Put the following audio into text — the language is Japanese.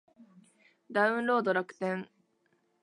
ダウンロード楽天